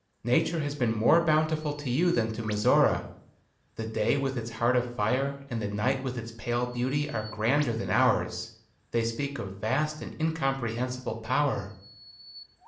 Nature has been more bountiful to you than to Mizora. The day with its heart of fire, and the night with its pale beauty are grander than ours. They speak of vast and incomprehensible power."